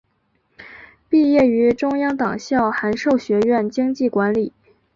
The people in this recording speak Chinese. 毕业于中央党校函授学院经济管理。